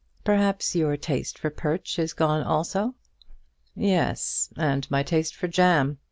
"Perhaps your taste for perch is gone also." "Yes; and my taste for jam.